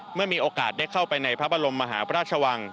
เมื่อมีโอกาสได้เข้าไปในพระบรมมหาพระราชวัง